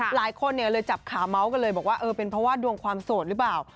หลายคนเลยจับขาเมาส์กันเลยบอกว่าเออเป็นเพราะว่าดวงความโสดหรือเปล่า